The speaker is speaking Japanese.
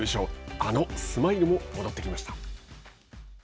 あのスマイルも戻ってきました。